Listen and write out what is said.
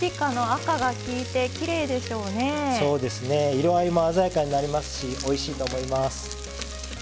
色合いも鮮やかになりますしおいしいと思います。